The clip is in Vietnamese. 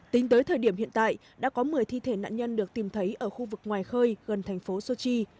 tính tới thời điểm hiện tại đã có một mươi thi thể nạn nhân được tìm thấy ở khu vực ngoài khơi gần thành phố sochi